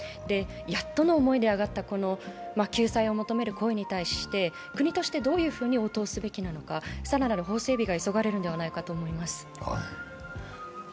やっとの思いで上がった、救済を求めるこの声に対して国としてどういうふうに応答すべきなのかさらなる法整備が急がれるのではないかと思います。